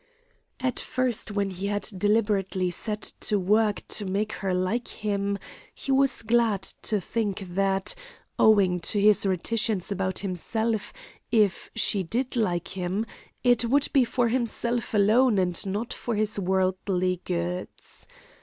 At first when he had deliberately set to work to make her like him he was glad to think that, owing to his reticence about himself, if she did like him it would be for himself alone and not for his worldly goods.